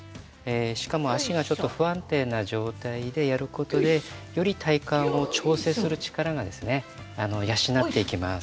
しかも足がちょっと不安定な状態でやることでより体幹を調整する力がですね養っていきます。